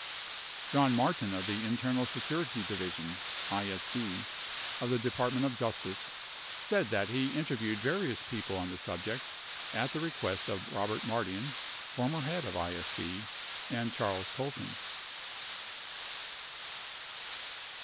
68 John Martin of the Internal Security Division (ISD) of the Department of Justice said that he interviewed various people on this subject at the request of Robert Mardian, former head of ISD, and Charles Colson.